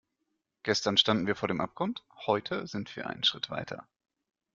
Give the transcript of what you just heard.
Gestern standen wir vor dem Abgrund, heute sind wir einen Schritt weiter.